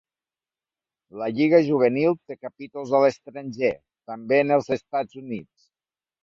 La lliga juvenil té capítols a l'estranger, també en els Estats Units.